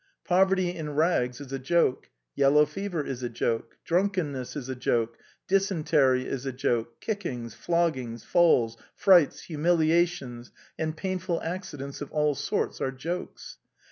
Poverty in rags is a joke, yellow fever is a joke, drunkenness is a joke, dysentery is a joke, kickings, floggings, falls, frights, humiliations and painful accidents of all sorts are jokes.